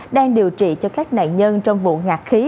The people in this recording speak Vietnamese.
đang điều trị cho các nạn nhân trong vụ ngạc khí